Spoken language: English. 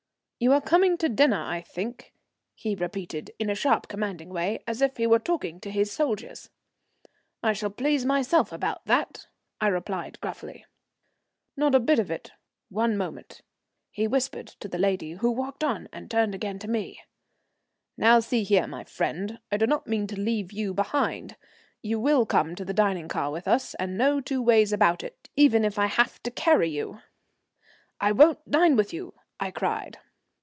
"You are coming to dinner, I think," he repeated in a sharp commanding way, as if he were talking to his soldiers. "I shall please myself about that," I replied gruffly. "Not a bit of it. One moment," he whispered to the lady, who walked on, and turned again to me: "Now see here, my friend, I do not mean to leave you behind. You will come to the dining car with us, and no two ways about it, even if I have to carry you." "I won't dine with you," I cried.